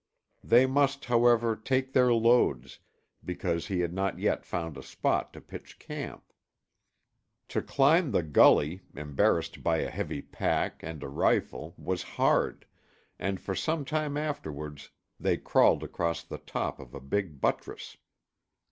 They must, however, take their loads, because he had not yet found a spot to pitch camp. To climb the gully, embarrassed by a heavy pack, and a rifle, was hard, and for some time afterwards they crawled across the top of a big buttress.